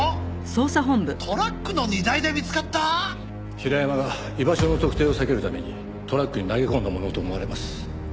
平山が居場所の特定を避けるためにトラックに投げ込んだものと思われます。